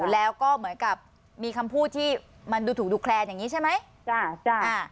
แล้วก็เหมือนกับมีคำพูดที่มันดูถูกดูแคลนอย่างนี้ใช่ไหม